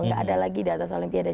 nggak ada lagi di atas olimpiade